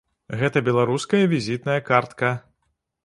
Гэта беларуская візітная картка.